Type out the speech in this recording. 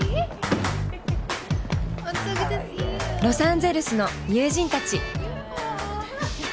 ロサンゼルスの友人たち。